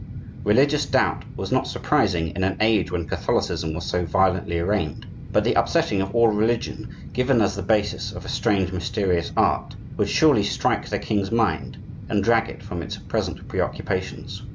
Religious doubt was not surprising in an age when Catholicism was so violently arraigned; but the upsetting of all religion, given as the basis of a strange, mysterious art, would surely strike the king's mind, and drag it from its present preoccupations.